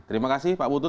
terima kasih pak butuh